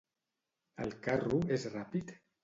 El carro és ràpid?